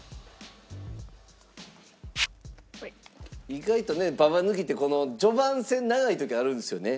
意外とねババ抜きってこの序盤戦長い時あるんですよね。